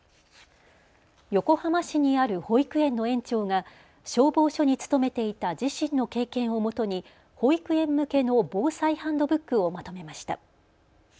横浜市にある保育園の園長が消防署に勤めていた自身の経験をもとに保育園向けの防災ハンドブックをまとめました。